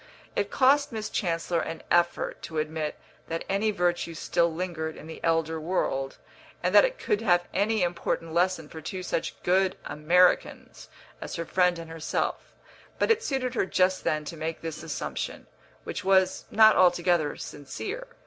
It cost Miss Chancellor an effort to admit that any virtue still lingered in the elder world, and that it could have any important lesson for two such good Americans as her friend and herself; but it suited her just then to make this assumption, which was not altogether sincere.